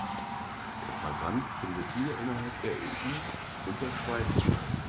Der Versand findet nur innerhalb der EU und der Schweiz statt.